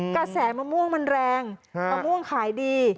กระแสมะม่วงมันแรงมะม่วงขายดี